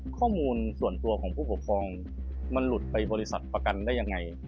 ข้อมูลส่วนตัวของผู้ปกครองมันหลุดไปบริษัทประกันได้ยังไง